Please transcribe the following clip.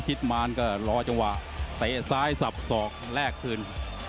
มารก็รอจังหวะเตะซ้ายสับสอกแลกคืน